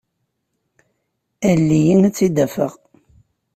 Alel-iyi ad tt-id-afeɣ.